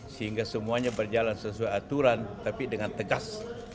sehingga semuanya berjalan sesuai aturan tapi dengan tegas